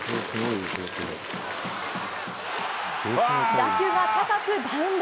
打球は高くバウンド。